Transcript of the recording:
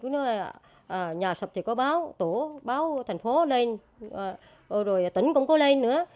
nếu nhà sập thì có báo tổ báo thành phố lên rồi tỉnh cũng có lên nữa